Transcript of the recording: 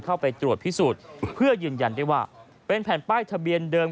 เข้าไปตรวจพิสูจน์เพื่อยืนยันได้ว่าเป็นแผ่นป้ายทะเบียนเดิม